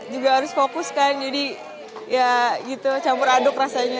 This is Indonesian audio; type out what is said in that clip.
juga harus fokus kan jadi ya gitu campur aduk rasanya